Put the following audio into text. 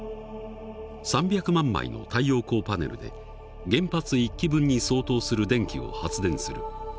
３００万枚の太陽光パネルで原発１基分に相当する電気を発電する。